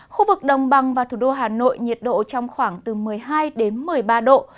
khu vực đồng bằng và thủ đô hà nội nhiệt độ trong khoảng từ một mươi hai đến một mươi ba độ